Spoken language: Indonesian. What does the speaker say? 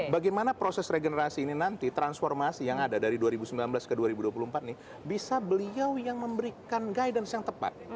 bagaimana proses regenerasi ini nanti transformasi yang ada dari dua ribu sembilan belas ke dua ribu dua puluh empat ini bisa beliau yang memberikan guidance yang tepat